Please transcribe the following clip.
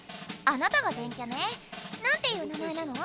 あなたが電キャね。なんていう名前なの？